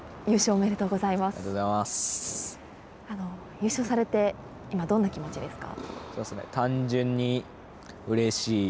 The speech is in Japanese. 優勝されて今どんな気持ちですか。